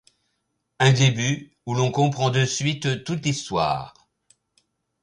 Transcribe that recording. Un début où l’on comprend de suite toute l’histoire.